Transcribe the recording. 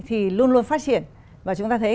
thì luôn luôn phát triển và chúng ta thấy